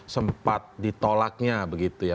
sempat ditolaknya begitu ya